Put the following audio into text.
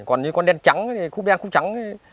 còn như con đen trắng khúc đen khúc trắng